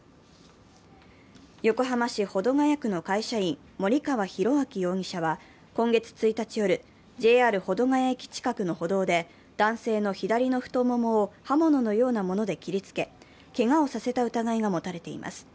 横浜市保土ケ谷区の会社員・森川浩昭容疑者は今月１日夜、ＪＲ保土ケ谷駅近くの歩道で男性の左の太ももを刃物のようなもので切りつけけがをさせた疑いが持たれています。